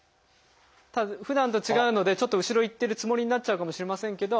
ただふだんと違うのでちょっと後ろいってるつもりになっちゃうかもしれませんけど。